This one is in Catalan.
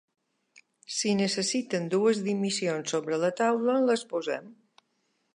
Si necessiten dues dimissions sobre la taula, les posem.